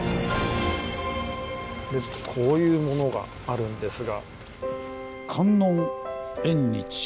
こういうものがあるんですが。